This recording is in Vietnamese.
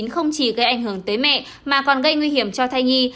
không chỉ gây ảnh hưởng tới mẹ mà còn gây nguy hiểm cho thai nhi